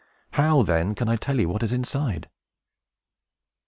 "How, then, can I tell you what is inside?"